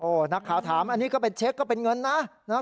นักข่าวถามอันนี้ก็เป็นเช็คก็เป็นเงินนะ